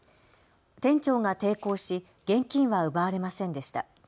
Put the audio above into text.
店長が抵抗し現金は奪われませんでした。